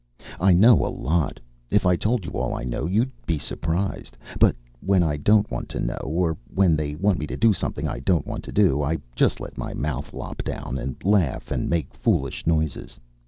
I know a lot. If I told you all I know, you'd be surprised. But when I don't want to know, or when they want me to do something I don't want to do, I just let my mouth lop down and laugh and make foolish noises.